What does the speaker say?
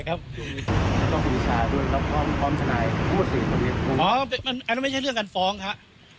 อ๋ออันนั้นไม่ใช่เรื่องการฟ้องครับ